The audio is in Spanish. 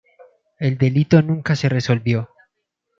El delito nunca se resolvió.